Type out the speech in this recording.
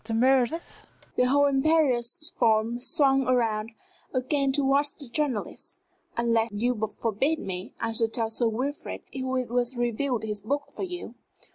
Dr. Meredith," the whole imperious form swung round again towards the journalist, "unless you forbid me, I shall tell Sir Wilfrid who it was reviewed his book for you."